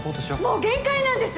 もう限界なんです！